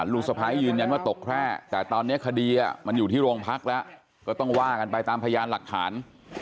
ลูกสะพ้ายยืนยันว่าตกแคร่แต่ตอนนี้คดีมันอยู่ที่โรงพักแล้วก็ต้องว่ากันไปตามพยานหลักฐาน